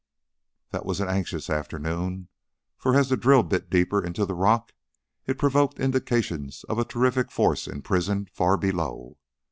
That was an anxious afternoon, for as the drill bit deeper into the rock it provoked indications of a terrific force imprisoned far below.